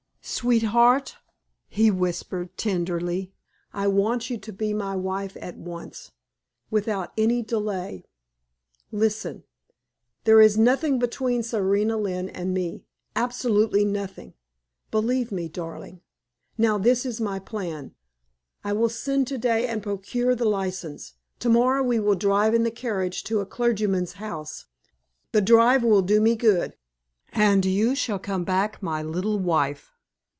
"Sweetheart," he whispered, tenderly, "I want you to be my wife at once without any delay. Listen. There is nothing between Serena Lynne and me absolutely nothing believe me, darling. Now this is my plan: I will send today and procure the license; tomorrow we will drive in the carriage to a clergyman's house the drive will do me good and you shall come back my little wife.